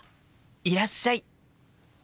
いらっしゃい。